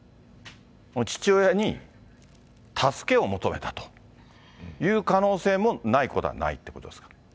父親に助けを求めたという可能性も、ないことはないってことですか？